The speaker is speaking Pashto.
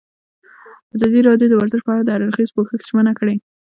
ازادي راډیو د ورزش په اړه د هر اړخیز پوښښ ژمنه کړې.